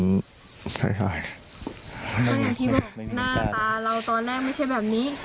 ก็อย่างที่บอกหน้าตาเราตอนแรกไม่ใช่แบบนี้